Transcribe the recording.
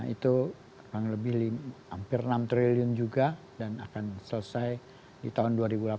itu kurang lebih hampir enam triliun juga dan akan selesai di tahun dua ribu delapan belas